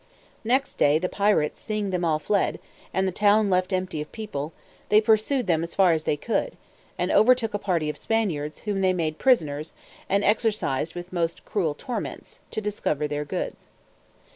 Next day the pirates seeing them all fled, and the town left empty of people, they pursued them as far as they could, and overtook a party of Spaniards, whom they made prisoners, and exercised with most cruel torments, to discover their goods.